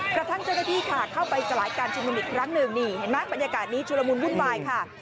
กระทั่งเจรดีเข้าไปสลายการชุมนุมอีกครั้งหนึ่งบรรยากาศนี้ชุดละมุนวุ่นวายค่ะ